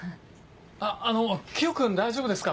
ああのキヨ君大丈夫ですか？